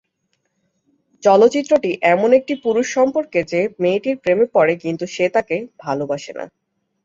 চলচ্চিত্রটি এমন একটি পুরুষ সম্পর্কে যে একটি মেয়ের প্রেমে পড়ে কিন্তু সে তাকে ভালবাসে না।